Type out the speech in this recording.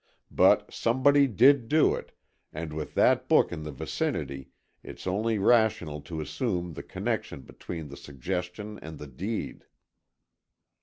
But somebody did do it, and with that book in the vicinity it's only rational to assume the connection between the suggestion and the deed."